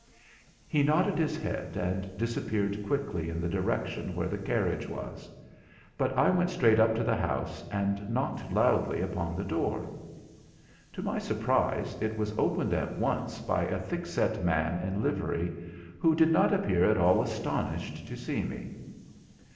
He nodded his head, and disappeared quickly in the direction where the carriage was; but I went straight up to the house, and knocked loudly upon the door. To my surprise, it was opened at once by a thick set man in livery, who did not appear at all astonished to see me.